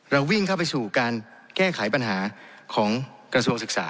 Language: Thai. วิ่งเข้าไปสู่การแก้ไขปัญหาของกระทรวงศึกษา